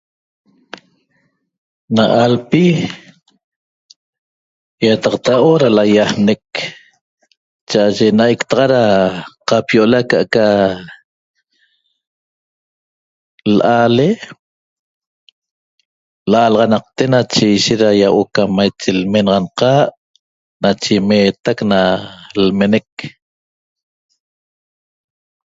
Na alpi iataqta huo'o ra laiaanec cha'aye naiqtaxa ra qapio'ole aca'aca la'ale na'alaxanaqte nache ishet ra iahuo'o maiche lmenaxanqa nache imetac na lmenec